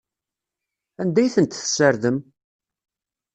Anda ay tent-tessardem?